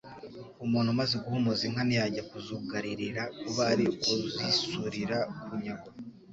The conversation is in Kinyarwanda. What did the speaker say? umuntu umaze guhumuza inka ntiyajya kuzugaririra, kuba ari ukuzisurira kunyagwa,